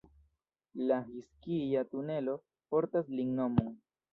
La Ĥizkija-tunelo portas lin nomon.